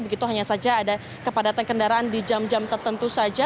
begitu hanya saja ada kepadatan kendaraan di jam jam tertentu saja